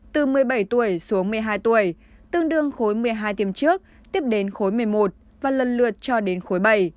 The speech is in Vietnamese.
từ một mươi bảy tuổi xuống một mươi hai tuổi tương đương khối một mươi hai kiềm trước tiếp đến khối một mươi một và lần lượt cho đến khối bảy